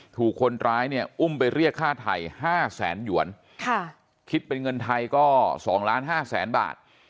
ถูกคนร้ายเนี่ยอุ้มไปเรียกค่าไทย๕แสนหยวนคิดเป็นเงินไทยก็๒ล้าน๕แสนบาท